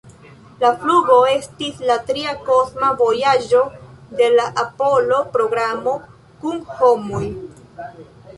La flugo estis la tria kosma vojaĝo de la Apollo-programo kun homoj.